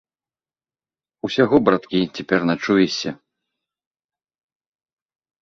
Усяго, браткі, цяпер начуешся.